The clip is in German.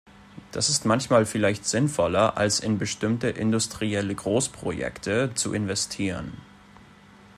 Das ist manchmal vielleicht sinnvoller, als in bestimmte industrielle Großprojekte zu investieren.